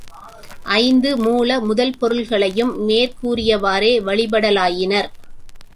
ஐந்து மூல முதற் பொருள்களையும் மேற்கூறியவாறே வழிபடலாயினர்.